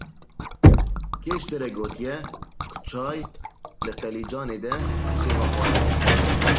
Kê ji te re gotiye ku çay di qelîcanê de tê vexwarin?